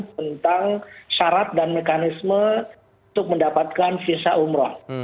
tentang syarat dan mekanisme untuk mendapatkan visa umroh